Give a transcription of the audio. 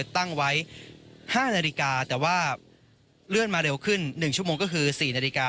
ตั้งไว้๕นาฬิกาแต่ว่าเลื่อนมาเร็วขึ้น๑ชั่วโมงก็คือ๔นาฬิกา